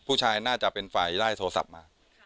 ผู้ชายน่าจะเป็นฝ่ายไล่โทรศัพท์มา